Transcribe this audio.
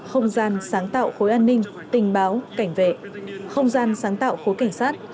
không gian sáng tạo khối an ninh tình báo cảnh vệ không gian sáng tạo khối cảnh sát